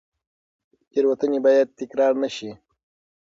تېروتنې باید تکرار نه شي.